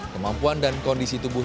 kemampuan dan kondisi tubuh